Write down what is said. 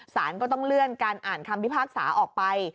สารก็ต้องเลื่อนการอ่านคำพิพากษาออกไป